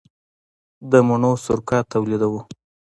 د مڼو سرکه تولیدوو؟